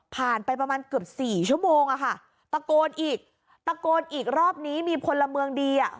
ผ่านไปประมาณเกือบสี่ชั่วโมงอะค่ะตะโกนอีกตะโกนอีกรอบนี้มีพลเมืองดีอ่ะ